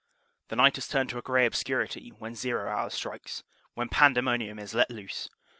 The night has turned to a gray obscurity when "zero" hour strikes; when pandemonium is let loose.